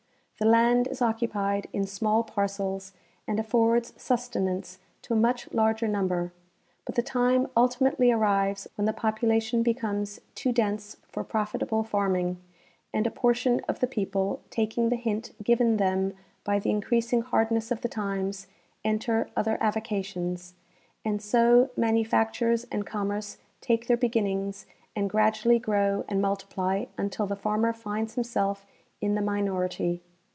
The land . is occupied in small parcels and affords sustenance to a much larger number, but the time ultimately arrives when the popu lation becomes too dense for profitable farming, and a portion of the peojjle, taking the hint given them by the increasing hard ness of the times, enter other avocations ; and so manufactures and commerce take their beginnings and gradually grow and multiply until the farmer finds himself in tlie minority.